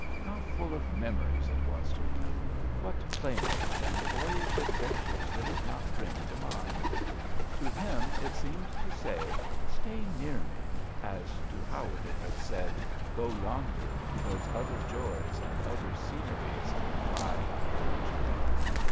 How full of memories it was to him ! what playmates and boyish adventures did it not bring to mind ! To him it seemed to say, " Stay near to me," as to Howard it had said, " Go yonder, to those other joys and other sceneries I have told you of."